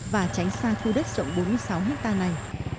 và tránh xa khu đất rộng bốn mươi sáu hectare này